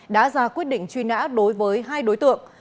đã ra quyết định truy nã đối với hai đối tượng